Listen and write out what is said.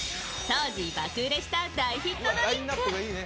当時、爆売れした大ヒットドリンク。